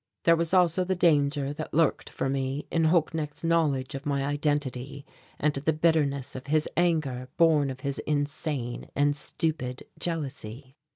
There was also the danger that lurked for me in Holknecht's knowledge of my identity and the bitterness of his anger born of his insane and stupid jealousy.